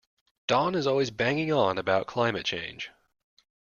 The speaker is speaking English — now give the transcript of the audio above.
Don is always banging on about climate change.